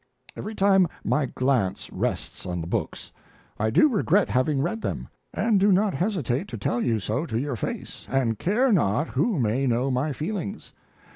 Every time my glance rests on the books I do regret having read them, and do not hesitate to tell you so to your face, and care not who may know my feelings.